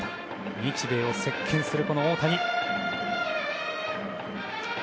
日米を席巻する大谷。